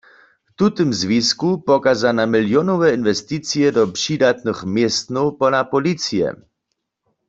W tym zwisku pokaza na milionowe inwesticije do přidatnych městnow pola policije.